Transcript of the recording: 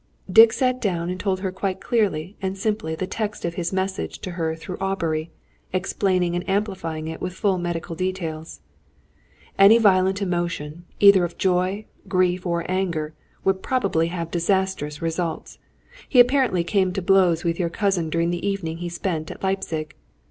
Dick sat down and told her quite clearly and simply the text of his message to her through Aubrey, explaining and amplifying it with full medical details. "Any violent emotion, either of joy, grief or anger, would probably have disastrous results. He apparently came to blows with your cousin during the evening he spent at Leipzig.